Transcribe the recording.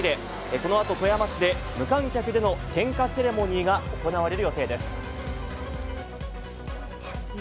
このあと、富山市で無観客での点火セレモニーが行われる予定です。